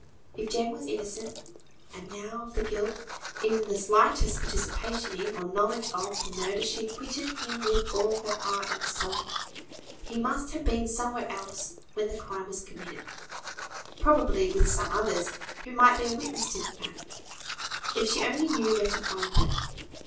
If Jem was innocent (and now, of his guilt, even his slightest participation in, or knowledge of, the murder, she acquitted him with all her heart and soul), he must have been somewhere else when the crime was committed; probably with some others, who might bear witness to the fact, if she only knew where to find them.